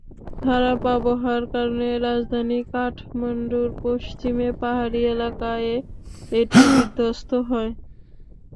খারাপ আবহাওয়ার কারণে রাজধানী কাঠমান্ডুর পশ্চিমে পাহাড়ি এলাকায়ে এটি বিধ্বস্ত হয়।